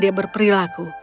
dia tidak berperilaku